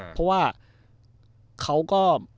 เพราะว่าเขาก็